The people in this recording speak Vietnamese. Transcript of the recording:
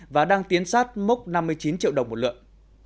và đang tiến sát mốc năm mươi chín triệu đồng một lượng